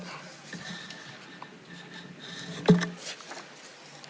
การ